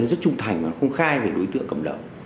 rất trung thành và không khai về đối tượng cầm lợi